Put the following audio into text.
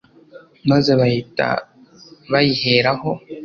’ maze bahita bayiheraho